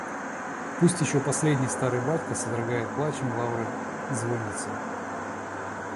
Пусть еще последний, старый батька содрогает плачем лавры звонницы.